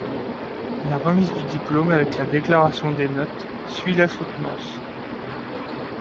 La remise du diplôme, avec la déclaration des notes, suit la soutenance.